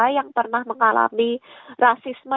yang pernah mengalami rasisme